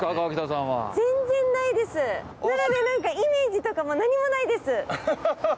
なんかイメージとかも何もないです。